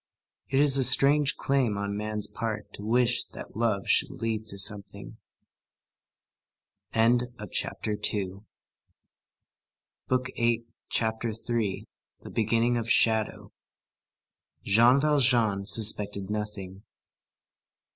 It is a strange claim on man's part to wish that love should lead to something. CHAPTER III—THE BEGINNING OF SHADOW Jean Valjean suspected nothing.